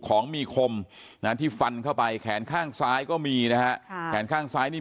ของมีคมนะที่ฟันเข้าไปแขนข้างซ้ายก็มีนะฮะแขนข้างซ้ายนี่